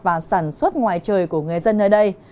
và sản xuất ngoài trời của người dân nơi đây